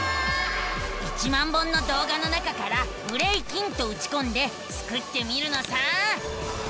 １万本のどうがの中から「ブレイキン」とうちこんでスクってみるのさ！